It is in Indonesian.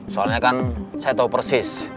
soalnya kan saya tahu persis